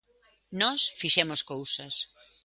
Nós fixemos cousas.